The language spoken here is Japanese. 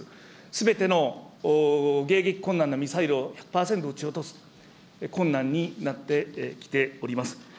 すべての迎撃困難なミサイルを１００％撃ち落とすと、困難になってきております。